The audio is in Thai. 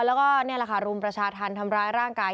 แล้วก็นี่แหละค่ะรุมประชาธรรมทำร้ายร่างกาย